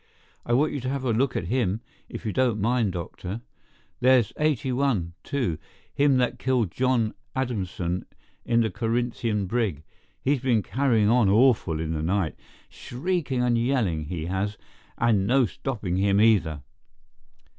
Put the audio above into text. I want you to have a look at him, if you don't mind, doctor. There's 81, too—him that killed John Adamson in the Corinthian brig—he's been carrying on awful in the night, shrieking and yelling, he has, and no stopping him either."